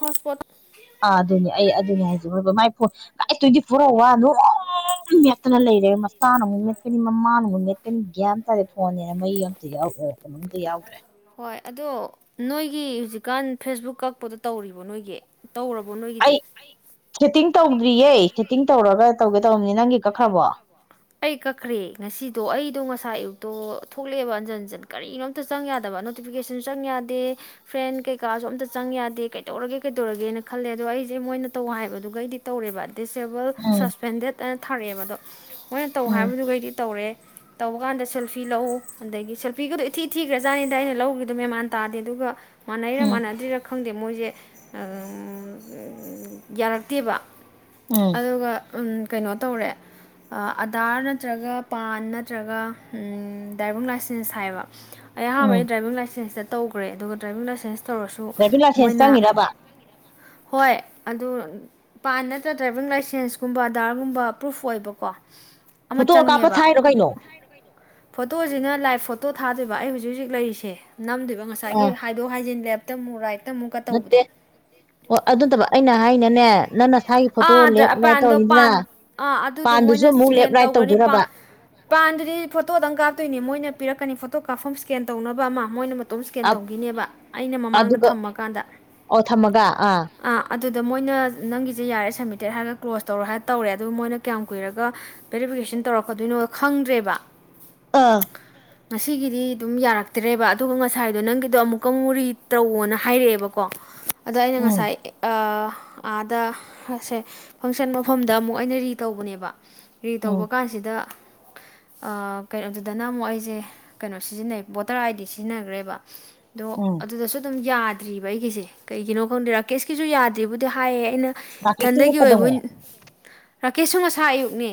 Hotspot. ꯑꯥ ꯑꯗꯨꯅꯦ ꯑꯩ ꯑꯗꯨꯅꯦ ꯍꯥꯏꯖꯈꯕ my phone twenty four hour ꯅꯨꯡ ꯃꯦꯠꯇꯅ ꯂꯩꯔꯦ ꯃꯆꯥ ꯅꯨꯡꯃꯨꯛ ꯃꯦꯠꯀꯅꯤ ꯃꯃꯥ ꯅꯨꯡꯃꯨꯛ ꯃꯦꯠꯀꯅꯤ ꯒ꯭ꯌꯥ ꯇꯥꯔꯦ ꯐꯣꯟꯅꯤꯅ ꯃꯩ ꯑꯝꯇꯩꯅꯝꯇ ꯌꯥꯎꯗ꯭ꯔꯦ꯫ ꯒꯥꯟ ꯐꯦꯁꯕꯨꯛ ꯀꯛꯄꯗ꯫ ꯇꯧꯔꯤꯕ ꯅꯣꯏꯒꯤ꯫ ꯇꯧꯔꯕꯣ ꯅꯣꯏ꯫ ꯑꯩ ꯁꯦꯠꯇꯤꯡ ꯇꯧꯗ꯭ꯔꯤꯌꯦ꯫ ꯤꯡ ꯇꯧꯔꯒ ꯇꯧꯒꯦ ꯇꯧꯕꯅꯤ꯫ ꯀꯛꯈ꯭ꯔꯕꯣ ꯑꯩ ꯀꯛꯈ꯭ꯔꯦ ꯉꯁꯤꯗꯣ ꯑꯩꯗꯣ ꯉꯁꯥꯏ꯫ ꯑꯗꯣ ꯊꯣꯛꯂꯛꯑꯦꯕ ꯍꯟꯖꯟ ꯍꯟꯖꯟ ꯀꯔꯤꯅꯣ ꯑꯝꯇ ꯆꯪ ꯌꯥꯗꯕ ꯅꯣꯇꯤꯐꯤꯀꯦꯁꯟꯁꯨ ꯆꯪ ꯌꯥꯗꯦ ꯐ꯭ꯔꯦꯟ ꯀꯩꯀꯥꯁꯨ ꯑꯝꯇ ꯆꯪ ꯌꯥꯗꯦ ꯀꯩꯗꯧꯔꯒꯦ ꯀꯩꯗꯧꯔꯒꯦꯅ ꯈꯜꯂꯦ ꯑꯗꯣ ꯑꯩꯁꯦ ꯃꯣꯏꯅ ꯇꯧ ꯍꯥꯏꯕꯗꯨꯒꯩꯗꯤ ꯇꯧꯔꯦꯕ꯫ ꯗꯤꯁꯑꯦꯕꯜ꯫ ꯎꯝ ꯇꯅ ꯊꯔꯛꯑꯦꯕꯗꯣ ꯃꯣꯏꯅ ꯇꯧ ꯎꯝ ꯍꯥꯏꯕꯗꯨꯈꯩꯗꯤ ꯇꯧꯔꯦ ꯇꯧꯕ ꯀꯥꯟꯗ ꯁꯦꯜꯐꯤ ꯂꯧꯎ ꯑꯗꯒꯤ ꯁꯦꯜꯐꯤꯒꯗꯣ ꯏꯊꯤ ꯊꯤꯈ꯭ꯔꯖꯥꯠꯅꯤꯗ ꯑꯩꯅ ꯂꯧꯒꯤꯗꯣ ꯃꯦꯃꯥꯟ ꯇꯥꯗꯦ ꯑꯗꯨꯒ ꯃꯥꯅꯩꯔ ꯎꯝ ꯃꯥ ꯅꯗꯤꯔꯛ ꯈꯪꯗꯦ ꯃꯣꯏꯁꯦ ꯌꯥꯔꯛꯇꯦꯕ ꯎꯝ ꯑꯗꯨꯒ ꯎ ꯀꯩꯅꯣ ꯇꯧꯔꯦ ꯑꯗꯥꯔ ꯅꯠꯇ꯭ꯔꯒ ꯄꯥꯟ ꯅꯠꯇ꯭ꯔꯒ ꯗ꯭ꯔꯥꯏꯚꯤꯡ ꯂꯥꯏꯁꯦꯟꯁ ꯍꯥꯏꯕ ꯎꯝ ꯑꯩꯍꯥꯟꯕꯩ ꯗ꯭ꯔꯥꯏꯕꯤꯡ ꯂꯥꯏꯁꯦꯟꯁ ꯆꯠꯦ ꯇꯧꯈ꯭ꯔꯦ ꯑꯗꯨꯒ ꯗ꯭ꯔꯥꯏꯕꯤꯡ ꯂꯥꯏꯁꯦꯟꯁ ꯇꯧꯔꯁꯨ ꯗ꯭ꯔꯥꯏꯚꯤꯡ ꯂꯥꯏꯁꯦꯟꯁ ꯃꯣꯏꯅ ꯆꯪꯉꯤꯔꯕ ꯍꯣꯏ ꯑꯗꯨ ꯄꯥꯟ ꯅꯠꯇ꯭ꯔ ꯗ꯭ꯔꯥꯏꯚꯤꯡ ꯂꯥꯏꯁꯦꯟꯁꯀꯨꯝꯕ ꯑꯙꯗꯥꯔꯒꯨꯝꯕ ꯄ꯭ꯔꯨꯐ ꯑꯣꯏꯕꯀꯣ ꯀꯣ ꯑꯃ ꯐꯣꯇꯣ ꯀꯥꯞꯄ ꯆꯪꯉꯦꯕ ꯊꯥꯏꯔꯣ ꯀꯩꯅꯣ ꯐꯣꯇꯣꯁꯤꯅ ꯂꯥꯏꯚ ꯐꯇ ꯐꯣꯇꯣ ꯊꯥꯗꯣꯏꯕ ꯑꯩ ꯍꯧꯖꯤꯛ ꯍꯧꯖꯤꯛ ꯂꯩꯔꯤꯁꯦ ꯅꯝꯗꯣꯏꯕ ꯑꯥ ꯉꯁꯥꯏꯒꯤ ꯍꯥꯏꯗꯣꯛ ꯍꯥꯏꯖꯤꯟ ꯂꯦꯞ ꯃꯨꯔꯥꯏ ꯅꯠꯇꯦ ꯍ ꯑꯗꯨꯠꯇꯕ ꯑꯩꯅ ꯍꯥꯏꯅꯅꯦ ꯅꯪ ꯅꯁꯥꯒꯤ ꯐꯣꯇꯣ ꯂꯦꯞ ꯑ ꯔꯥꯏꯠ ꯄꯥꯟꯗꯣ ꯇꯧꯔꯅꯤꯗꯅ ꯄꯥꯟ ꯑꯥ ꯑꯗꯨꯗꯣ ꯄꯥꯟꯗꯨꯁꯨ ꯃꯣꯏꯅ ꯑꯃꯨꯛ ꯂꯦꯞ ꯏꯁꯀꯦꯟ ꯔꯥꯏꯠ ꯇꯧꯈ꯭ꯔꯅꯤꯥꯟ ꯇꯧꯗꯣꯏꯔꯕ ꯄꯥꯟꯗꯨꯗꯤ ꯐꯣꯇꯣꯗꯪ ꯀꯥꯞꯇꯣꯏꯅꯤ ꯃꯣꯏꯅ ꯄꯤꯔꯛꯀꯅꯤ ꯐꯣꯇꯣ ꯐꯣꯇꯣ ꯀꯥꯞꯐꯝ ꯁꯀꯦꯟ ꯇꯧꯅꯕ ꯑꯃ ꯃꯣꯏꯅ ꯇꯣꯝ ꯏꯁꯀꯦꯟ ꯑꯞ ꯇꯧꯈꯤꯅꯦꯕ ꯑꯩꯅ ꯃꯃꯥꯡꯗ ꯑꯗꯨꯒ ꯊꯝꯃꯀꯥꯟꯗ ꯑꯣ ꯊꯝꯃꯒ ꯑꯥ ꯑ ꯑꯗꯨꯗ ꯃꯣꯏꯅ ꯅꯪꯒꯤ ꯁꯤ ꯌꯥꯔꯦ ꯁꯝꯃꯤꯇꯦꯠ ꯍꯥꯏꯔꯒ ꯀ꯭ꯂꯣꯖ ꯇꯧꯔꯣ ꯍꯥꯏꯔꯒ ꯇꯧꯔꯦ ꯑꯗꯨ ꯃꯣꯏꯅ ꯀꯌꯥꯝ ꯀꯨꯏꯔꯒ ꯕꯦꯔꯤꯐꯤꯀꯦꯁꯟ ꯇꯧꯔꯛꯀꯗꯣꯏꯅꯣ ꯈꯪꯗ꯭ꯔꯦꯕ ꯑꯥ ꯉꯁꯤꯒꯤꯗꯤ ꯑꯗꯨꯝ ꯌꯥꯔꯛꯇ꯭ꯔꯦꯕ ꯑꯗꯨꯒ ꯉꯁꯥꯏꯗꯣ ꯅꯪꯒꯤꯗꯣ ꯑꯃꯨꯛꯀ ꯑꯃꯨꯔꯤ ꯇꯧꯣꯅ ꯍꯥꯏꯔꯛꯑꯦꯕꯀꯣ ꯑꯗꯣ ꯑꯩꯅ ꯎꯝ ꯉꯁꯥꯏ ꯑꯗ ꯑ ꯁꯦ ꯐꯪꯁꯟ ꯃꯐꯝꯗ ꯑꯃꯨꯛ ꯑꯩꯅ ꯔꯤ ꯇꯧꯕꯅꯦꯕ ꯔꯤ ꯎꯝ ꯇꯧꯕ ꯀꯥꯟꯁꯤꯗ ꯀꯩꯅꯣꯗꯨꯗꯅ ꯑꯃꯨꯛ ꯑꯩꯁꯦ ꯀꯩꯅꯣ ꯁꯤꯖꯤꯟꯅꯩ ꯕꯣꯇꯔ ꯑꯥꯏꯗꯤ ꯁꯤꯖꯤꯟꯅꯈ꯭ꯔꯦꯕ ꯑꯗꯣ ꯎꯝ ꯑꯗꯨꯗꯁꯨ ꯑꯗꯨꯝ ꯌꯥꯗ꯭ꯔꯤꯕ ꯑꯩꯒꯤꯁꯦ ꯀꯩꯒꯤꯅꯣ ꯈꯪꯗꯦ ꯔꯥꯀꯦꯁꯀꯤꯁꯨ ꯌꯥꯗ꯭ꯔꯤꯕꯕꯨꯗꯤ ꯍꯥꯏꯌꯦ ꯑꯩꯅ ꯃꯥꯔꯀꯦꯠꯁꯤꯡꯅ ꯏꯊꯟꯗꯒꯤ ꯑꯣꯏꯕꯨ ꯀꯩꯗꯧꯉꯩ ꯔꯥꯀꯦꯁꯁꯨ ꯉꯁꯥ ꯑꯌꯨꯛꯅꯦ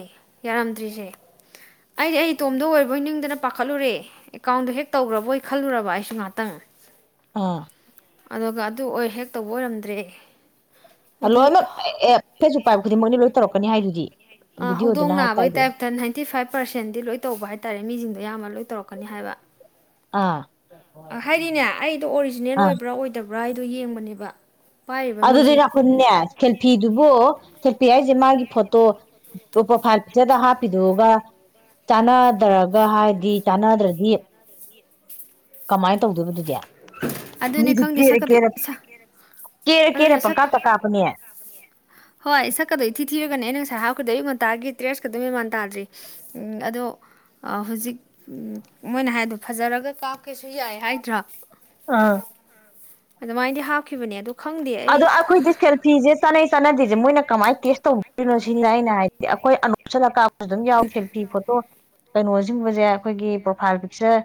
ꯌꯥꯔꯝꯗ꯭ꯔꯤꯁꯦ ꯑꯩꯗꯤ ꯑꯩꯇꯣꯝꯗ ꯑꯣꯏꯕꯣꯏ ꯅꯤꯡꯗꯅ ꯄꯥꯈꯠꯂꯨꯔꯦ ꯑꯦꯀꯥꯎꯟꯗꯣ ꯍꯦꯛ ꯇꯧꯈ꯭ꯔꯕꯣꯏ ꯈꯜꯂꯨꯔꯕ ꯑꯩꯁꯨ ꯉꯍꯥꯛꯇꯪ ꯑꯥ ꯑꯗꯨꯒ ꯑꯗꯨ ꯑꯣꯏ ꯍꯦꯛ ꯇꯧꯕ ꯑꯣꯏꯔꯝꯗ꯭ꯔꯦ ꯍꯥꯏꯗꯤ ꯂꯣꯏ ꯅ ꯐꯦꯖꯄꯨꯛ ꯄꯥꯏꯕ ꯈꯨꯗꯤꯡꯃꯛꯅꯤ ꯇꯧꯔꯛꯀꯅꯤ ꯍꯥꯏꯗꯨꯗꯤ ꯑ ꯍꯧꯗꯣꯡ ꯚꯤꯗꯤꯑꯣꯗꯨꯅ ꯅꯥꯕꯒꯤ ꯍꯥꯏꯇꯥꯏꯗꯣ ꯇꯥꯏꯞꯇ ꯅꯥꯏꯟꯇꯤ ꯐꯥꯏꯚ ꯄꯥꯔꯁꯦꯟꯗꯤ ꯂꯣꯏ ꯇꯧꯕ ꯍꯥꯏꯇꯥꯔꯦ ꯃꯤꯁꯤꯡꯗꯣ ꯌꯥꯝꯕ ꯂꯣꯏ ꯇꯧꯔꯛꯀꯅꯤ ꯍꯥꯏꯕ ꯑꯥ ꯍꯥꯏꯗꯤꯅꯦ ꯑꯩꯗꯣ ꯑꯣꯔꯤꯖꯤꯅꯦꯜ ꯑꯥ ꯑꯣꯏꯕ꯭ꯔꯥ ꯑꯣꯏꯗꯕ꯭ꯔꯥ ꯕ꯭ꯔꯥꯏꯗꯨꯣ ꯌꯦꯡꯕꯅꯦꯕ ꯄꯥꯏꯔꯤꯕ ꯑꯗꯨꯗ ꯃꯤꯁꯦ ꯅ ꯑꯩꯈꯣꯏꯅꯦ ꯁꯦꯜꯐꯤꯗꯨꯕꯨ ꯁꯦꯜꯐꯤ ꯍꯥꯏ ꯁꯦ ꯃꯥꯒꯤ ꯐꯣꯇꯣ ꯄ꯭ꯔꯣꯐꯥꯏꯜ ꯄꯤꯛꯆꯔꯗ ꯍꯥꯞꯄꯤꯗꯣꯛꯑꯒ ꯆꯥꯟꯅꯗ꯭ꯔꯒ ꯍꯥꯏꯔꯗꯤ ꯆꯥꯟꯅꯗ꯭ꯔꯗꯤ ꯀꯃꯥꯏꯅ ꯇꯧꯗꯣꯏꯕꯗꯨꯗꯤ ꯑꯗꯨꯅꯦ ꯈꯪꯗꯦ ꯁꯛꯀꯗꯣꯏ ꯀꯦꯔ ꯀꯦꯔ ꯑꯗꯨꯅꯦ ꯄꯪꯀꯥꯞꯇ ꯀꯥꯞꯄꯅꯦ ꯍꯣꯏ ꯁꯛꯀꯗꯣꯏ ꯏ ꯊꯤ ꯊꯤꯔꯒꯅꯦ ꯑꯩꯅ ꯉꯁꯥꯏ ꯈꯨꯗꯏꯌꯛ ꯉꯟꯇꯥꯒꯤ ꯗ꯭ꯔꯦꯁꯀ ꯑꯗꯨꯝ ꯃꯃꯥꯟ ꯇꯥꯗ꯭ꯔꯤ ꯑꯗꯣ ꯍꯧꯖꯤꯛ ꯃꯣꯏꯅ ꯍꯥꯏꯗꯣ ꯐꯖꯔꯒ ꯀꯥꯞꯀꯦꯁꯨ ꯌꯥꯏ ꯍꯥꯏꯗ꯭ꯔꯥ ꯑꯥ ꯑꯗꯨꯃꯥꯏꯅꯗꯤ ꯍꯥꯞꯈꯤꯕꯅꯦ ꯑ ꯑꯗꯣ ꯑꯩꯈꯣꯏꯗꯤ ꯁꯦꯜꯐꯤꯁꯦ ꯆꯠꯅꯩ ꯆꯥꯟꯅꯗꯦꯁꯦ ꯃꯣꯏꯅ ꯀꯃꯥꯏꯅ ꯇꯦꯁ ꯇꯧꯕꯗꯣꯏꯅꯣ ꯁꯤ ꯑꯩꯅ ꯍꯥꯏꯗꯤ ꯑꯩꯈꯣꯏ ꯑꯅꯁꯂꯥ ꯑꯗꯨꯝ ꯌꯥꯎ ꯊꯦ ꯐꯤ ꯐꯣꯠꯇꯣ ꯀꯩꯅꯣꯁꯤꯡꯤꯡꯕꯁꯦ ꯑꯩꯈꯣꯏꯒꯤ ꯄ꯭ꯔꯣꯐꯥꯏꯜ ꯄꯤꯛꯆꯔ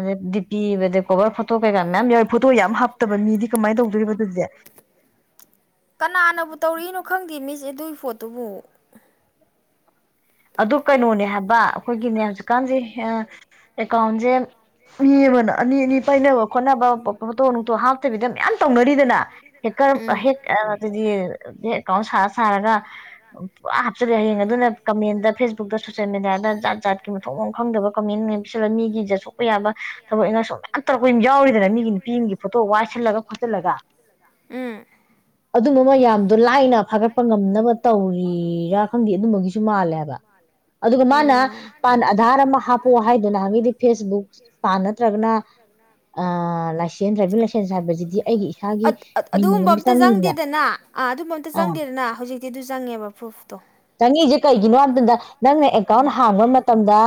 ꯑꯗꯩ ꯗꯤ ꯄꯤꯕꯗ ꯀꯣꯕꯔ ꯐꯣꯇꯣ ꯀꯩꯀꯥ ꯃꯌꯥꯝ ꯌꯥꯎꯋꯤ ꯐꯣꯇꯣ ꯌꯥꯝ ꯍꯥꯞꯇꯕ ꯃꯤꯗꯤ ꯀꯃꯥꯏꯅ ꯇꯧꯗꯣꯔꯤꯕ ꯑꯗꯨꯗꯤ ꯀꯅꯥꯅꯕꯨ ꯇꯧꯔꯤꯛꯏꯅꯣ ꯈꯪꯗꯦ ꯃꯤꯁꯦ ꯑꯗꯨꯒꯤ ꯐꯣꯇꯣꯕꯨ ꯑꯗꯨ ꯀꯩꯅꯣꯅꯦ ꯍꯥꯏꯕ ꯑꯩꯈꯣꯏꯒꯤꯅꯦ ꯍꯧꯖꯤꯛꯀꯥꯟꯁꯦ ꯑꯦꯀꯥꯎꯟꯁꯦ ꯃꯤ ꯑꯃꯅ ꯑꯅꯤ ꯑꯅꯤ ꯄꯥꯏꯅꯕ ꯈꯣꯠꯅꯕ ꯐꯣꯇꯣ ꯅꯨꯡꯇꯣ ꯍꯥꯞꯇꯕꯤꯗ ꯃꯌꯥꯝ ꯇꯧꯅꯔꯤꯗꯅ ꯍꯦꯀꯔ ꯍꯦꯛꯗꯤ ꯕꯦꯡ ꯑꯦꯀꯥꯎꯟ ꯁꯥꯔ ꯁꯥꯔꯒ ꯄꯨꯔꯥ ꯍꯥꯞꯆꯜꯂꯦ ꯍꯌꯦꯡ ꯑꯗꯨꯅ ꯀꯃꯦꯟꯗ ꯐꯦꯁꯕꯨꯛꯇ ꯁꯣꯁꯦꯜ ꯃꯦꯗꯤꯌꯥꯗ ꯖꯥꯠ ꯖꯥꯠꯀꯤ ꯃꯊꯣꯡ ꯃ ꯈꯪꯗꯕ ꯀꯃꯦꯟ ꯃꯌꯥꯝ ꯄꯁꯤꯜꯂ ꯃꯤꯒꯤ ꯖꯠ ꯁꯣꯛꯄ ꯌꯥꯕ ꯊꯕꯛ ꯏꯉꯥꯡꯁ ꯃꯌꯥꯝ ꯇꯧꯔꯛꯄ ꯌꯥꯎꯔꯤꯗꯅ ꯃꯤꯒꯤ ꯅꯨꯄꯤ ꯑꯃꯒꯤ ꯐꯣꯇꯣ ꯋꯥꯏꯁꯤꯜꯂꯒ ꯈꯣꯆꯤꯜꯂꯒ ꯎꯝ ꯑꯗꯨꯝꯕ ꯃ ꯌꯥꯝꯗꯣ ꯂꯥꯏꯅ ꯐꯥꯒꯠꯄ ꯉꯝꯅꯕ ꯇꯧꯔꯤꯔꯥ ꯈꯪꯗꯦ ꯑꯗꯨꯝꯕꯒꯤ ꯆꯨꯃꯥꯂꯦꯕ ꯑꯗꯨꯒ ꯃꯥꯅ ꯑꯗꯨ ꯃꯥ ꯄ ꯑꯙꯥꯔ ꯑꯃ ꯍꯥꯞꯄꯣꯑꯣ ꯍꯥꯏꯗꯅ ꯍꯥꯏꯕꯗꯤ ꯐꯦꯁꯕꯨꯛ ꯄꯥꯟ ꯅꯠꯇ꯭ꯔꯒꯅ ꯂꯥꯏꯁꯦꯟꯁ ꯗ꯭ꯔꯥꯏꯚꯤꯡ ꯂꯥꯏꯁꯦꯟꯁ ꯍꯥꯏꯕꯁꯤꯗꯤ ꯑꯩꯒꯤ ꯏꯁꯥꯒꯤ ꯑꯠ- ꯑꯠ- ꯃꯤꯅꯤꯡ ꯑꯗꯨꯒꯨꯝꯕ ꯑꯃ ꯑꯝꯇ ꯆꯪꯉꯤꯅ ꯆꯪꯗꯦꯗꯅ ꯑꯥ ꯑꯗꯨꯝꯕ ꯑꯝꯇ ꯑꯥ ꯆꯪꯗꯦꯗꯅ ꯍꯧꯖꯤꯛꯇꯤ ꯑꯗꯨ ꯆꯪꯉꯦꯕ ꯄ꯭ꯔꯨꯐꯇꯣ ꯆꯪꯉꯤꯁꯤ ꯀꯩꯒꯤꯅ ꯍꯥꯔꯗꯗ ꯅꯪꯅ ꯑꯦꯀꯥꯎꯟ ꯍꯥꯡꯕ ꯃꯇꯝꯗ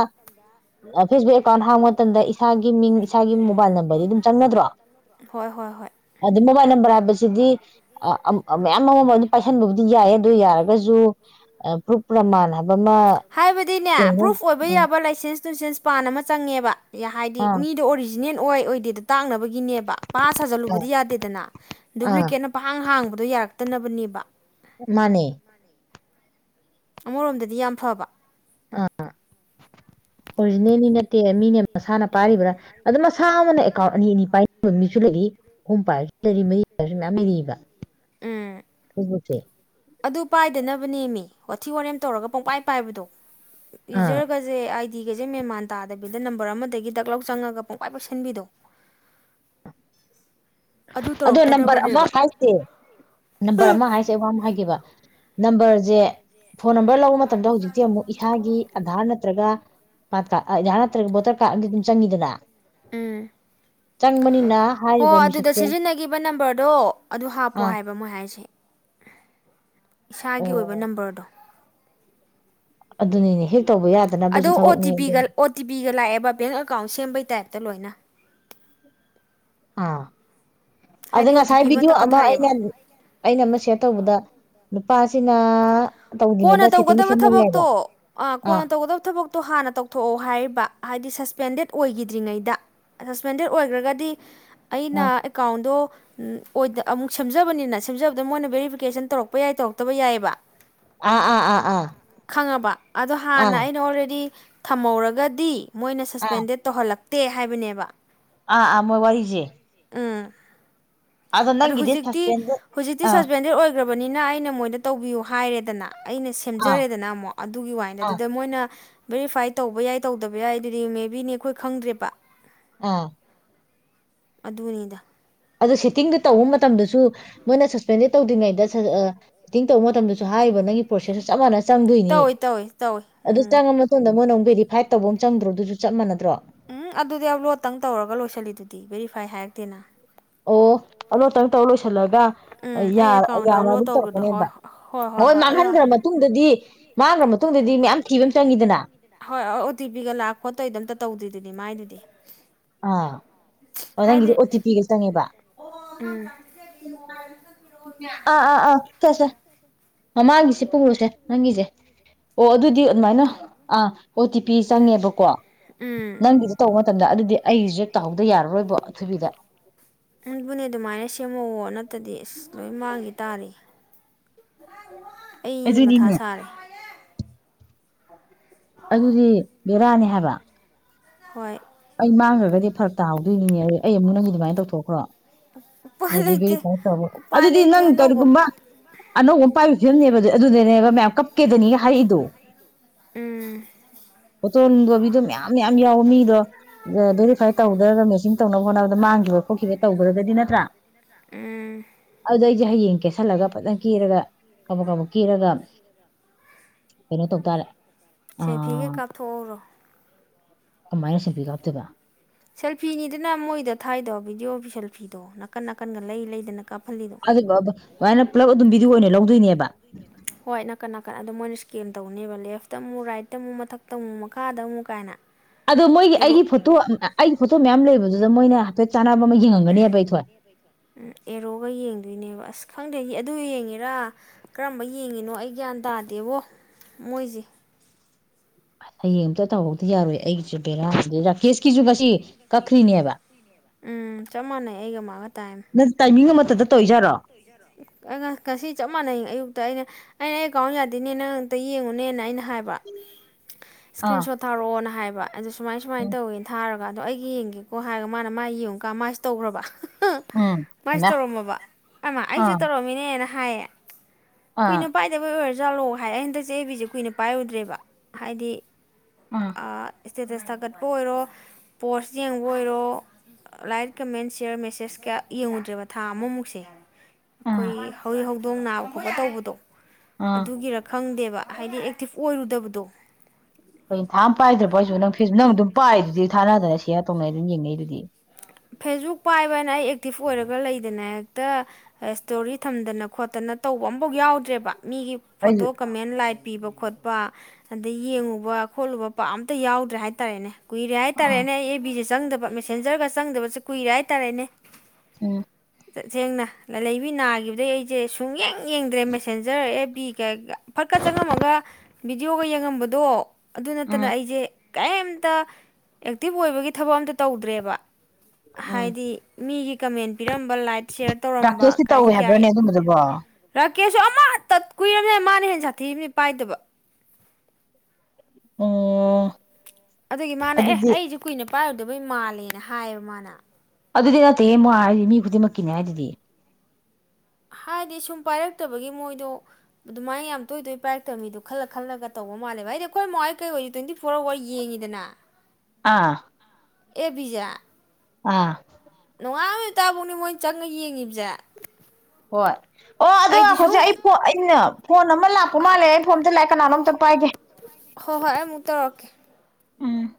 ꯐꯦꯁꯕꯨꯛ ꯑꯦꯀꯥꯎꯟ ꯍꯥꯡꯕ ꯃꯇꯝꯗ ꯏꯁꯥꯒꯤ ꯃꯤꯡ ꯏꯁꯥꯒꯤ ꯃꯣꯕꯥꯏꯜ ꯅꯝꯕꯔꯗꯤ ꯑꯗꯨꯝ ꯆꯪꯅꯗ꯭ꯔꯣ ꯍꯣꯏ ꯍꯣꯏ ꯍꯣꯏ ꯈꯕ꯭ꯔ ꯍꯥꯏꯕꯁꯤꯗꯤꯑ ꯑꯝ ꯃꯌꯥꯝ ꯑꯃꯃ ꯑꯗꯨꯝ ꯄꯥꯏꯁꯟꯕꯕꯨꯗꯤ ꯌꯥꯏ ꯑꯗꯨ ꯌꯥꯔꯒꯁꯨ ꯄ꯭ꯔꯨꯞ ꯄꯔ꯭ꯃꯥꯟ ꯍꯥꯏꯕ ꯑꯃ ꯍꯥꯏꯕꯗꯤꯅꯦ ꯂꯩꯅ ꯄ꯭ꯔꯨꯐ ꯑꯣꯏꯕ ꯌꯥꯕ ꯂꯥꯏꯁꯦꯟꯁ ꯇꯨꯁꯦꯟꯁ ꯄꯥꯟ ꯑꯃ ꯆꯪꯉꯦꯕ ꯍꯥꯏꯗꯤ ꯑꯥ ꯃꯤꯗꯣ ꯑꯣꯔꯤꯖꯤꯅꯦꯜ ꯑꯣꯏ ꯑꫭꯏꯗꯦꯗꫭ ꯇꯥꯛꯅꯕꯒꯤ ꯒꯤꯅꯦꯕ ꯄꯪꯁꯥ ꯁꯥꯖꯜꯂꯨꯕꯗꯤ ꯌꯥꯗꯦꯗꯅ ꯑꯥ ꯗꯨꯄ꯭ꯂꯤꯀꯦꯠꯅ ꯄꯪꯍꯥꯡ ꯍꯥꯡꯕ ꯗꫭ ꯌꯥꯔꯛꯇꯅꯕꯅꯦꯕ ꯃꯅꯦ ꯑꯃꯔꯣꯝꯗꯗꯤ ꯌꯥꯝ ꯐꯕ ꯑ ꯑꫭꯔꯤꯖꯤꯅꯦꯜꯗꯤ ꯅꯠꯇꯦꯕ ꯃꯤꯅ ꯃꯁꯥꯅ ꯄꯥꯔꯤꯕ꯭ꯔꯥ ꯑꯗꯨ ꯁꯥ ꯑꯃꯅ ꯑꯦꯀꯥꯎꯟ ꯑꯅꯤ ꯑꯅꯤ ꯄꯥꯏꯕ ꯃꯤꯁꯨ ꯂꯩꯔꯤ ꯑꯍꯨꯝ ꯄꯥꯏꯔꯁꯨ ꯂꯩꯔꯤ ꯃꯔꯤ ꯄꯥꯏꯔꯁꯨ ꯃꯌꯥꯝ ꯂꯩꯅꯩꯕ ꯎꯝ ꯎꯝ ꯖꯦ ꯑꯗꯨ ꯄꯥꯏꯗꯅꯕꯅꯦꯃꯤ ꯋꯥꯊꯤ ꯋꯥꯔꯦꯝ ꯇꯧꯔꯒ ꯄꯨꯡꯄꯥꯏ ꯄꯥꯏꯕꯗꯣ ꯑꯥ ꯌꯨꯖꯔ ꯒꯁꯦ ꯑꯥꯏ ꯗꯤ ꯒꯖꯦ ꯃꯦꯟ ꯃꯥꯟ ꯇꯥꯗꯕꯤꯗ ꯅꯝꯕꯔ ꯑꯃꯗꯒꯤ ꯗꯛ ꯂꯧꯎ ꯆꯪꯉꯒ ꯄꯨꯡꯄꯥꯏ ꯄꯥꯏꯁꯟꯕꯤꯗꯣ ꯑꯗꯨ ꯑꯗꯣ ꯅꯝꯕꯔ ꯑꯃ ꯇꯧꯔꯛꯇꯅꯕꯅꯦꯕ ꯍꯥꯏꯁꯦ ꯅꯝꯕꯔ ꯑꯃ ꯍꯥꯏꯁꯦ ꯋꯥ ꯑꯃ ꯍꯥꯏꯒꯦꯕ ꯅꯝꯕꯔꯁꯦ ꯐꯣꯟ ꯅꯝꯕꯔ ꯂꯧꯕ ꯃꯇꯝꯗ ꯍꯧꯖꯤꯛꯇꯤ ꯑꯃꯨꯛ ꯏꯁꯥꯒꯤ ꯑꯙꯥꯔ ꯅꯠꯇ꯭ꯔꯒ ꯄꯥꯟ ꯀꯥꯔ ꯑꯙꯥꯔ ꯅꯠꯇ꯭ꯔꯒ ꯚꯣꯇꯔ ꯀꯥꯔꯗ ꯑꯃꯗꯤ ꯑꯗꯨꯝ ꯆꯪꯅꯤꯗꯅ ꯎꯝ ꯆꯪ ꯕꯅꯤꯅ ꯍꯣ ꯍꯥꯏꯔꯤꯕ ꯃꯤꯁꯛ ꯑꯗꯨꯗ ꯁꯤꯖꯤꯟꯅꯈꯤꯕ ꯅꯝꯕꯔꯗꯣ ꯑꯗꯨ ꯍꯥꯞꯄꯣ ꯑꯥ ꯍꯥꯏꯕ ꯃꯣꯏ ꯍꯥꯏꯁꯦ [inaudible] ꯏꯁꯥꯒꯤ ꯑꯣꯏꯕ ꯑꯣ ꯅꯝꯕꯔꯗꯣ ꯑꯗꯨꯅꯤꯅꯦ ꯍꯦꯛ ꯇꯧꯕ ꯌꯥꯗꯅꯕꯁꯨ ꯑꯗꯣ ꯑꯣ ꯊꯕꯛꯅꯤ ꯇꯤ ꯑꯗꯨ ꯄꯤꯒ ꯑꯣ ꯇꯤ ꯄꯤꯒ ꯂꯥꯛꯑꯦꯕ ꯕꯦꯡ ꯑꯦꯀꯥꯎꯟ ꯁꯦꯝꯕꯩ ꯇꯥꯏꯞꯇ ꯂꯣꯏꯅ ꯑꯥ ꯑꯗꯨꯅꯦ ꯍꯥꯏꯗꯤ ꯑꯣ ꯇꯤ ꯉꯁꯥꯏ ꯄꯤ ꯚꯤꯗꯤꯑꯣ ꯑꯃ ꯑꯩꯅ ꯇꯛꯀꯠꯊꯔꯛꯑꯦꯕ ꯑꯩꯅ ꯑꯃ ꯁ꯭ꯌꯥꯔ ꯇꯧꯕꯗ ꯅꯨꯄꯥꯁꯤꯅ ꯀꯣꯟꯅ ꯇꯧꯗ꯭ꯔꯤꯉꯩꯗ ꯁꯦꯠꯇꯤꯡꯗ ꯇꯧꯒꯗꯕ ꯁꯦꯝꯍꯧ ꯌꯥꯏꯕ ꯊꯕꯛꯇꯣ ꯑ ꯑꯥ ꯀꯣꯟꯅ ꯇꯧꯒꯗꯕ ꯊꯕꯛꯇꯣ ꯍꯥꯟꯅ ꯇꯧꯊꯣꯛꯑꯣ ꯍꯥꯏꯔꯤꯕ ꯍꯥꯏꯗꯤ ꯁꯁꯄꯦꯟꯗꯦꯠ ꯑꯣꯏꯈꯤꯗ꯭ꯔꯤꯉꯩꯗ ꯁꯁꯄꯦꯟꯗꯦꯠ ꯑꯣꯏꯈ꯭ꯔꯒꯗꯤ ꯑꯩꯅ ꯑꯥ ꯑꯦꯀꯥꯎꯟꯗꯣ ꯑꯣꯏꯗ ꯑꯃꯨꯛ ꯁꯦꯝꯖꯕꯅꯤꯅ ꯁꯦꯝꯖꯕꯗ ꯃꯣꯏꯅ ꯕꯦꯔꯤꯐꯤꯀꯦꯁꯟ ꯇꯧꯔꯛꯄ ꯌꯥꯏ ꯇꯧꯔꯛꯇꯕ ꯌꯥꯏꯑꯕ ꯑꯥ ꯑꯥ ꯑꯥ ꯈꯪꯉꯕ ꯑꯗꯣ ꯑꯥ ꯑꯥ ꯍꯥꯟꯅ ꯑꯩꯅ ꯑꯣꯜꯔꯦꯗꯤ ꯊꯝꯍꯧꯔꯒꯗꯤ ꯃꯣꯏꯅ ꯑꯥ ꯁꯁꯄꯦꯟꯗꯦꯠ ꯇꯧꯍꯜꯂꯛ ꯇꯦ ꯍꯥꯏꯕꯅꯦꯕ ꯑꯥ ꯑ ꯃ ꯋꯥꯔꯤꯔꯤꯁꯦ ꯑ ꯍꯧꯖꯤꯛꯇꯤ ꯁꯁꯄꯦꯟꯁꯦ ꯍꯧꯖꯤꯛꯇꯤ ꯑꯥ ꯁꯁꯄꯦꯟꯗꯦꯠ ꯑꯣꯏ ꯂꯩꯈ꯭ꯔꯕꯅꯤꯅ ꯑꯩꯅ ꯃꯣꯏꯗ ꯇꯧꯕꯤꯌꯨ ꯍꯥꯏꯔꯦꯗꯅ ꯑꯩꯅ ꯑꯥ ꯁꯦꯝꯖꯔꯦꯗꯅ ꯑꯃꯨꯛ ꯑꯗꯨꯒꯤ ꯋꯥꯗ ꯑꯥ ꯑꯗꯨꯗ ꯃꯣꯏꯅ ꯕꯦꯔꯤꯐꯥꯏ ꯇꯧꯕ ꯌꯥꯏ ꯇꯧꯗꯕ ꯌꯥꯏ ꯑꯗꯨꯗꯤ ꯃꯦ ꯕꯤꯅꯤ ꯑꯩꯈꯣꯏ ꯈꯪꯗ꯭ꯔꯦꯕ ꯑꯥ ꯑꯗꯨꯅꯤꯗ ꯑꯗꯨ ꯁꯤꯠꯇꯤꯡꯗ ꯇꯧꯕ ꯃꯇꯝꯗꯁꯨ ꯃꯣꯏꯅ ꯁꯁꯄꯦꯟꯗꯦꯠ ꯇꯧꯗ꯭ꯔꯤꯉꯩꯗ ꯁꯤꯇꯤꯡ ꯇꯧꯕ ꯃꯇꯝꯗꯁꯨ ꯍꯥꯏꯔꯤꯕ ꯅꯪꯒꯤ ꯄ꯭ꯔꯣꯁꯦꯁꯇ ꯆꯞ ꯃꯥꯟꯅ ꯆꯪꯗꯣꯏꯅꯤ ꯇꯧꯋꯤ ꯇꯧꯋꯤ ꯇꯧꯋꯤ ꯑꯗꯨ ꯎꯝ ꯆꯪꯉ ꯃꯇꯨꯡꯗ ꯃꯣꯏꯅ ꯑꯃꯨꯛ ꯕꯦꯔꯤꯐꯥꯏꯠ ꯇꯧꯕ ꯑꯃ ꯆꯗ꯭ꯔꯣꯗꯨ ꯑꯗꯨ ꯆꯞ ꯃꯅꯗ꯭ꯔꯣ ꯎꯝ ꯑꯗꯨꯗꯤ ꯑꯞꯂꯣꯗꯇꯪ ꯇꯧꯔꯒ ꯂꯣꯏꯁꯤꯜꯂꯤꯗꯨꯗꯤ ꯕꯦꯔꯤꯐꯥꯏ ꯍꯥꯏꯔꯛꯇꯦꯅ ꯑꯣ ꯑꯂꯣꯇꯪ ꯇꯧꯔ ꯂꯣꯏꯁꯤꯜꯂꯒꯦ ꯎꯝ ꯑꯩ ꯑꯦꯀꯥꯎꯟꯗ ꯌꯥꯅ ꯑꯞꯂꯣꯗ ꯑꯗꯨꯝ ꯇꯧꯕꯗꯣ ꯇꯧꯔꯛꯀꯅꯦꯕ ꯍꯣꯏ ꯍꯣꯏ ꯑꯗꯣ ꯃꯥꯡꯍꯟꯈ꯭ꯔ ꯃꯇꯨꯡꯗꯗꯤ ꯃꯥꯡꯈ꯭ꯔ ꯃꯇꯨꯡ ꯃꯇꯨꯡꯗꯗꯤ ꯃꯌꯥꯝ ꯊꯤꯕ ꯑꯃ ꯆꯪꯉꯤꯗꯅ ꯍꯣꯏ ꯑꯣ ꯇꯤ ꯄꯤꯒ ꯂꯥꯛ ꯈꯣꯠꯇꯣꯏꯗ ꯑꯝꯇ ꯇꯧꯗꯔꯤꯗꯨꯗꯤ ꯃꯥꯏꯗꯨꯗꯤ ꯑꯥ ꯑꯣ ꯅꯪꯒꯤꯗꯤ ꯍꯥꯏꯗꯤ ꯑꯣ ꯇꯤ ꯄꯤꯒ ꯆꯪꯉꯦꯕ ꯑꯥ ꯑꯥ ꯑꯥ ꯁꯦ ꯁꯦ ꯃꯃꯥꯡꯒꯤꯁꯦ ꯄꯨꯂꯣꯁꯦ ꯅꯪꯒꯤꯁꯦ ꯑꯣ ꯑꯗꯨꯗꯤ ꯑꯗꯨꯃꯥꯏꯅ ꯑꯥ ꯑꯣ ꯇꯤ ꯄꯤ ꯆꯪꯉꯦꯕꯀꯣ ꯎꯝ ꯅꯪꯒꯤꯗ ꯇꯧꯕ ꯃꯇꯝꯗ ꯑꯗꯨꯗꯤ ꯑꯩꯒꯤꯁꯦ ꯇꯥꯎꯍꯗ ꯌꯥꯔꯔꯣꯏꯕꯣ ꯑꯊꯨꯕꯤꯗ ꯑꯗꯨꯪꯕꯨꯅꯦ ꯑꯗꯨꯃꯥꯏꯅ ꯁꯦꯝꯃꯧꯑꯣ ꯅꯠꯇꯗꯤ ꯑꯁ ꯂꯣꯏ ꯃꯥꯡꯈꯤ ꯇꯥꯔꯦ ꯑꯩ ꯃꯊꯥ ꯑꯗꯨꯅꯤꯅꯦ ꯁꯥꯔꯦ ꯑꯗꯨꯗꯤ ꯕꯦꯔꯥꯅꯤ ꯍꯥꯏꯕ ꯍꯣꯏ ꯑꯩ ꯃꯥꯡꯈ꯭ꯔꯒꯗꯤ ꯐꯔꯛ ꯇꯥꯍꯧꯗꯣꯏꯅꯤꯅꯦ ꯑꯗ ꯑꯩ ꯑꯃꯨꯛ ꯅꯪꯒꯤ ꯑꯗꯨꯃꯅ ꯇꯧꯊꯣꯛꯈ꯭ꯔꯣ ꯎꯄꯥꯏ ꯑꯗꯤꯒ ꯂꯩꯇꯦ ꯄꯠꯇꯕꯣ ꯎꯄꯥꯏ ꯂꯩꯇꯦ ꯑꯗꯨꯗꯤꯟꯅꯥꯡ ꯑꯅꯧꯕ ꯀꯔꯀꯃ ꯑꯅꯧꯕ ꯑꯃ ꯄꯥꯏꯕ ꯐꯤꯕꯝꯅꯦꯕ ꯑꯗꯨꯗꯅꯦꯕ ꯃꯌꯥꯝ ꯀꯞꯀꯦꯗꯅꯤꯒ ꯍꯥꯏꯔꯛꯗꯨꯣ ꯎꯝ ꯄꯇꯗꯣꯕꯤꯗꯣ ꯃꯌꯥꯝ ꯃꯌꯥꯝ ꯌꯥꯎꯋ ꯃꯤ ꯗꯣ ꯚꯦꯔꯤꯐꯥꯏ ꯇꯧꯗ꯭ꯔꯒ ꯃꯦꯆꯤꯟ ꯇꯧꯅꯕ ꯍꯣꯠꯅꯕꯗ ꯃꯥꯡꯈꯤꯕ ꯈꯣꯠꯈꯤꯕ ꯇꯧꯗ꯭ꯔꯒꯗꯤ ꯅꯠꯇ꯭ꯔꯥ ꯎꯝ ꯑꯗꯨꯗꯣ ꯑꯩꯁꯦ ꯍꯌꯦꯡ ꯀꯦꯁꯜꯂꯒ ꯐꯖꯅ ꯀꯦꯔꯒ ꯑꯃꯕꯛ ꯀꯕꯛ ꯀꯦꯔꯒ ꯀꯩꯅꯣ ꯇꯧ ꯇꯔꯦ ꯁꯦꯜꯐꯤꯒ ꯀꯥꯞꯊꯣꯛꯍꯧꯔꯣ꯫ ꯀꯃꯥꯏ ꯁꯦꯜꯐꯤ ꯀꯥꯞ [unintelligible] ꯁꯦꯜꯐꯤꯅꯤꯗꯅ ꯃꯣꯏꯗ ꯊꯥꯏꯗꯣ ꯕꯤꯗꯤꯑꯣ ꯁꯦꯜꯐꯤꯗꯣ ꯅꯥꯀꯟ ꯅꯥꯀꯟꯒ ꯂꯩ ꯂꯩꯗꯅ ꯀꯥꯞꯍꯜꯂꯤꯗꯣ [unintelligible] ꯄꯨꯂꯕ ꯑꯗꯨꯝ ꯕꯤ ꯑꯗꯨ ꯑꯣꯏꯅ ꯂꯧꯗꯣꯏꯅꯦꯕ꯫ ꯍꯣꯏ ꯅꯥꯀꯟ ꯅꯥꯀꯟ ꯑꯗꯨꯝ ꯃꯣꯏꯅ ꯏꯁꯀꯦꯟ ꯇꯧꯅꯦꯕ ꯂꯦꯐꯇ ꯑꯃꯨꯛ ꯔꯥꯏꯠꯇ ꯑꯃꯨꯛ ꯃꯊꯛꯇ ꯑꯃꯨꯛ ꯃꯈꯥꯗ ꯑꯃꯨꯛ ꯀꯥꯏꯅ꯫ ꯑꯗꯣ ꯃꯣꯏꯒꯤ ꯑꯦꯔꯣ ꯑꯩꯒꯤ ꯐꯣꯇꯣ ꯑꯩꯒꯤ ꯐꯣꯇꯣ ꯃꯌꯥꯝ ꯂꯩꯕꯗꯨ ꯃꯣꯏꯅ ꯍꯥꯏꯐꯦꯠ ꯆꯥꯝ [unintelligible] ꯑꯦꯔꯣꯒ ꯌꯦꯡꯗꯣꯏꯅꯦꯕ ꯑꯁ ꯈꯪꯗꯦ ꯑꯗꯨ ꯌꯦꯡꯉꯦꯔꯥ ꯀꯔꯝꯕ ꯌꯦꯡꯉꯤꯅꯣ ꯑꯩ ꯒ꯭ꯌꯥꯟ ꯇꯥꯗꯦꯕꯣ ꯃꯣꯏꯖꯤ꯫ ꯑꯁꯁ ꯍꯌꯦꯡ ꯑꯃꯇ ꯇꯧꯔꯛꯇ ꯌꯥꯔꯣꯏ ꯑꯩꯒꯤꯖꯦ ꯕꯦꯔꯥꯖꯦ ꯔꯥꯀꯦꯁꯀꯤꯖꯨ ꯉꯁꯤ ꯀꯛꯈ꯭ꯔꯤꯅꯦꯕ꯫ ꯎꯝ ꯆꯞ ꯃꯥꯟꯅꯩ ꯑꯩꯒ ꯃꯥꯒ ꯇꯥꯏꯝ [unintelligible] ꯇꯣꯏꯖꯔꯣ ꯉꯁꯤ ꯆꯞ ꯃꯥꯟꯅꯩ ꯑꯌꯨꯛꯇ ꯑꯩꯅ ꯑꯩꯅ ꯑꯦꯀꯥꯎꯟ ꯌꯥꯗꯦꯅꯦ ꯅꯪꯑꯝꯇ ꯌꯦꯡꯉꯨꯅꯦꯅ ꯑꯩꯅ ꯍꯥꯏꯕ꯫ ꯏꯁꯀ꯭ꯔꯤꯟ ꯑꯥ ꯁꯣꯠ ꯊꯥꯔꯛꯑꯣꯅ ꯍꯥꯏ ꯑꯗꯨ ꯁꯨꯃꯥꯏ ꯁꯨꯃꯥꯏꯅ ꯎꯝ ꯇꯧꯋꯦ ꯊꯥꯔ ꯑꯗꯣ ꯑꯩꯒꯤ ꯌꯦꯡꯒꯦꯀꯣ ꯍꯥꯏꯔꯒ ꯃꯥꯅ ꯃꯥ ꯌꯦꯡꯉꯨꯀꯥꯟ ꯃꯥꯏꯁꯨ ꯇꯧꯒ꯭ꯔꯕ ꯍꯨꯡ ꯎꯝ ꯃꯥꯏꯖꯨ ꯍꯩꯃꯥ ꯇꯧꯔꯝꯃꯕ ꯑꯃ ꯑꯩꯖꯨ ꯑꯥ ꯇꯧꯔꯝꯃꯤꯅꯦ꯫ ꯍꯦꯅ ꯍꯥꯏꯌꯦ ꯑꯥ ꯀꯣꯏꯅ ꯄꯥꯏꯗꯕꯩ ꯑꯣꯏ ꯖꯥꯜꯂꯣ ꯍꯥꯏ ꯑꯩ ꯍꯟꯗꯛꯖꯦ ꯑꯦꯕ ꯕꯤꯖꯦ ꯀꯨꯏꯅ ꯄꯥꯏꯔꯨꯗ꯭ꯔꯦꯕ ꯍꯥꯏꯗꯤ ꯑꯥ ꯑ꯫ ꯏꯁꯇꯦꯇꯁ ꯊꯥꯒꯠꯄ ꯑꯣꯏꯔꯣ ꯄꯣꯁ ꯌꯦꯡꯕ ꯑꯣꯏꯔꯣ ꯂꯥꯏꯛ ꯀꯃꯦꯟ ꯁꯤꯌꯔ ꯃꯦꯁꯦꯁ ꯀꯌꯥ ꯌꯦꯡꯉꯨꯗ꯭ꯔꯦꯕ ꯊꯥ ꯑꯃꯃꯨꯛꯁꯦ ꯑꯥ ꯑꯩꯈꯣꯏ ꯍꯨꯏ ꯍꯧꯗꯣꯡ ꯅꯥꯕ ꯈꯣꯠꯄ ꯊꯝꯃꯣ ꯌꯥꯔꯦ ꯇꯧꯕꯗꯣ꯫ ꯑꯥ ꯑꯗꯨꯒꯤꯔ ꯈꯪꯗꯦꯕ꯫ ꯍꯥꯏꯗꯤ ꯑꯦꯛꯇꯤꯞ ꯑꯣꯏꯔꯨꯗꯕꯗꯣ꯫ [unintelligible] ꯊꯥ ꯑꯝ ꯄꯥꯏꯗ꯭ꯔꯕꯣ ꯍꯥꯏꯖꯤꯕꯣ ꯅꯪ ꯐꯦꯖ ꯅꯪ ꯑꯗꯨꯝ ꯄꯥꯏꯗꯨꯗꯤ ꯊꯥꯅꯗꯅ ꯁꯤꯌꯥꯔ ꯇꯧꯅꯩ ꯑꯗꯨꯝ ꯌꯦꯡꯅꯩ ꯑꯗꯨꯗꯤ꯫ ꯐꯦꯁꯕꯨꯛ ꯄꯥꯏꯕꯅ ꯑꯩ ꯑꯦꯛꯇꯤꯕ ꯑꯣꯏꯔꯒ ꯂꯩꯗꯦꯅ꯫ ꯇ ꯑꯁꯇꯣꯔꯤ ꯊꯝꯗꯅ ꯈꯣꯠꯇꯅ ꯇꯧꯕ ꯑꯃꯕꯥꯎ ꯌꯥꯎꯗ꯭ꯔꯦꯕ꯫ ꯃꯤꯒꯤ ꯐꯣꯇꯣ ꯑꯩꯁꯨ ꯀꯃꯦꯟ ꯂꯥꯏꯛ ꯄꯤꯕ ꯈꯣꯠꯄ ꯑꯗꯩ ꯌꯦꯡꯉꯨꯕ ꯈꯣꯠꯂꯨꯕ ꯄꯥꯛ ꯑꯝꯇ ꯌꯥꯎꯗ꯭ꯔꯦ ꯍꯥꯏꯇꯥꯔꯦꯅꯦ꯫ ꯀꯨꯏꯔꯦ ꯎꯝ ꯍꯥꯏꯇꯥꯔꯦꯅꯦ ꯑꯩ ꯑꯦꯕ ꯕꯤꯖꯦ ꯆꯪꯗꯕ ꯃꯦꯁꯦꯟꯖꯔꯒ ꯆꯪꯗꯕ ꯀꯨꯏꯔꯦ ꯍꯥꯏꯇꯥꯔꯦꯅꯦ ꯎꯝ ꯇꯁꯦꯡꯅ ꯂ ꯂꯩꯩꯕꯤ ꯅꯥꯈꯤꯕꯗꯒꯤ ꯑꯩꯁꯦ ꯁꯨꯡ ꯌꯦꯡ ꯌꯦꯡꯗ꯭ꯔꯦ ꯃꯦꯁꯦꯟꯖꯔ ꯑꯦ ꯄꯤ ꯀ ꯐꯠꯀ ꯆꯪꯉꯝꯃꯒ ꯚꯤꯗꯤꯑꯣꯒ ꯌꯦꯡꯉꯝꯕꯗꯣ ꯑꯗꯨ ꯅꯠꯇꯅ ꯎꯝ ꯑꯩꯁꯦ ꯀꯩꯝꯇ ꯑꯦꯛꯇꯤꯚ ꯑꯣꯏꯕꯒꯤ ꯊꯕꯛ ꯑꯝꯇ ꯇꯧꯗ꯭ꯔꯦꯕ ꯎꯝ ꯍꯥꯏꯗꯤ ꯃꯤꯒꯤ ꯀꯃꯦꯟ ꯄꯤꯔꯝꯕ ꯂꯥꯏꯠ ꯁꯌꯔ ꯇꯧꯔꯝꯕ ꯔꯥꯀꯦꯁꯇꯤ ꯀꯥꯏꯁꯤ ꯇꯧꯋꯦ ꯍꯥꯏꯕ꯭ꯔꯅꯦ ꯑꯗꯨꯝꯕꯗꯨꯕꯣ ꯑꯣ ꯀꯌꯥ ꯀꯦꯁꯨ ꯑꯃꯇ ꯀꯨꯏꯔꯕꯅꯤ ꯃꯥꯅ ꯍꯦ ꯁꯥꯊꯤꯝꯅꯤ ꯄꯥꯏꯗꯕ ꯑꯣꯝ ꯑꯗꯨꯒꯤ ꯃꯥꯅ ꯑꯦ ꯑꯩꯁꯨ ꯀꯨꯏꯅ ꯄꯥꯏꯔꯧꯗꯕꯩ ꯃꯥꯜꯂꯦꯅ ꯍꯥꯏꯌꯦꯕ ꯃꯥꯅ ꯑꯗꯨꯗꯤ ꯅꯠꯇꯦ ꯃꯣꯏ ꯍꯥꯏꯗꯤ ꯃꯤ ꯈꯨꯗꯤꯡꯃꯛꯀꯤꯅꯦ ꯍꯥꯏꯗꯨꯗꯤ ꯍꯥꯏꯗꯤ ꯁꯨꯝ ꯄꯥꯏꯔꯛꯇꯕꯒꯤ ꯃꯣꯏꯗꯣ ꯑꯗꯨꯃꯥꯏꯅ ꯌꯥꯝ ꯇꯣꯏ ꯇꯣꯏ ꯄꯥꯏꯔꯛꯇꯕ ꯃꯤꯗꯣ ꯈꯜꯂ ꯈꯜꯂꯒ ꯇꯧꯕ ꯃꯥꯜꯂꯦꯕ ꯍꯥꯏꯗꯤ ꯑꯩꯈꯣꯏ ꯃꯏ ꯀꯩ ꯑꯣꯏꯁ ꯇ꯭ꯋꯦꯟꯇꯤ ꯐꯣꯔ ꯑꯋꯥꯔ ꯌꯦꯡꯉꯤꯗꯅ ꯑꯥ ꯑꯦꯕꯤꯖꯥ ꯑꯥ ꯉꯥꯕ ꯇꯥꯕꯥꯎꯅꯦ ꯃꯣꯏ ꯆꯪꯉ ꯌꯦꯡꯉꯤꯕꯁꯦ ꯍꯣꯏ ꯑꯣ ꯑꯩꯗꯤ ꯑꯗꯣꯈꯣꯏꯁꯦ ꯁꯨꯝ ꯑꯩ ꯑꯩꯅ ꯐꯣꯟ ꯑꯃ ꯂꯥꯛꯄ ꯃꯥꯜꯂꯦ ꯑꯩ ꯐꯣꯟꯝꯇ ꯂꯥꯛꯑ ꯀꯅꯥꯅꯣ ꯑꯝꯇ ꯍꯣꯏ ꯄꯥꯏꯒꯦ ꯍꯣꯏ ꯑꯩ ꯑꯃꯨꯛ ꯇꯧꯔꯛꯀꯦ ꯎꯝ